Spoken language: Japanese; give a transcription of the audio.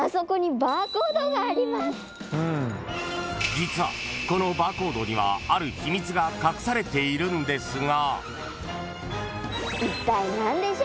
［実はこのバーコードにはある秘密が隠されているんですが］